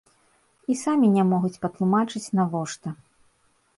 І самі не могуць патлумачыць, навошта.